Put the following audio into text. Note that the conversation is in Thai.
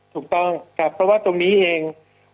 ถูกต้องครับเพราะว่าตรงนี้เอง